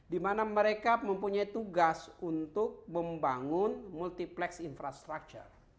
dimana mereka mempunyai tugas untuk membangun multiplex infrastructure